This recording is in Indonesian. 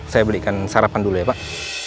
saya belikan sarapan dulu ya pak